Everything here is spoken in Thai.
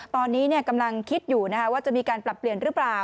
ตอนนี้กำลังคิดอยู่ว่าจะมีการปรับเปลี่ยนหรือเปล่า